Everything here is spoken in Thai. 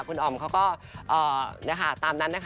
คุณออมเขาก็ตามนั้นนะคะ